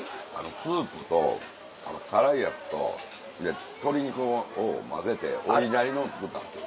スープと辛いやつと鶏肉を混ぜてオリジナルのを作ったんですよ。